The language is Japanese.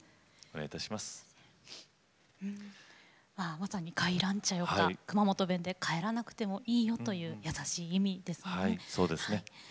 まさに「帰らんちゃよか」は熊本弁で帰らなくてもいいよという優しい意味です。